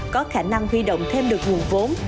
có khả năng khuy động thêm được nguồn vốn